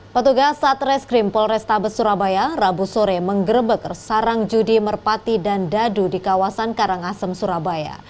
petugas satreskrim polrestabes surabaya rabu sore menggerbek sarang judi merpati dan dadu di kawasan karangasem surabaya